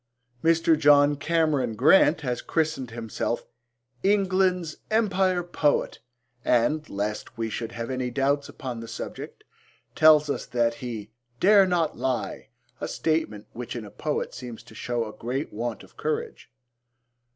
Mr. John Cameron Grant has christened himself 'England's Empire Poet,' and, lest we should have any doubts upon the subject, tells us that he 'dare not lie,' a statement which in a poet seems to show a great want of courage.